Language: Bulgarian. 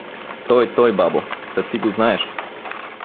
— Той, той, бабо, та ти го знаеш!